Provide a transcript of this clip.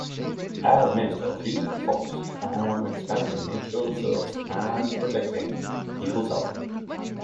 As minister she focused on expanding nature reserves and protecting people's health.